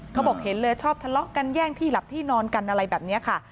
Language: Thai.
เขาบอกเห็นเลยชอบทะเลาะกันแย่งที่หลับที่นอนกันอะไรแบบนี้ค่ะ